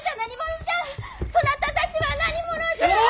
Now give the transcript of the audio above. そなたたちは何者じゃ。